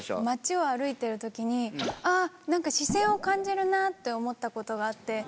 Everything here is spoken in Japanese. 街を歩いてる時にあっ何か視線を感じるなって思ったことがあって。